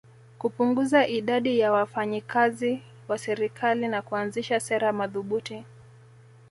Kupunguza idadi ya wafanyi kazi wa serikali na kuanzisha sera madhubuti